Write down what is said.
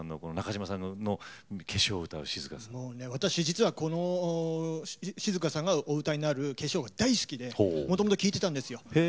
私、実は静香さんがお歌いになる「化粧」が大好きでもともと聴いてたんですよ。